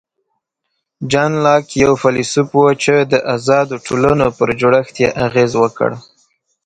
جان لاک یو فیلسوف و چې د آزادو ټولنو پر جوړښت یې اغېز وکړ.